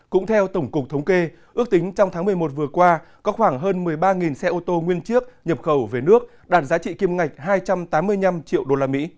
cũng theo tổng cục thống kê ước tính trong tháng một mươi một vừa qua có khoảng hơn một mươi ba xe ô tô nguyên chiếc nhập khẩu về nước đạt giá trị kim ngạch hai trăm tám mươi năm triệu usd